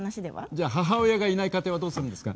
じゃあ母親がいない家庭はどうするんですか？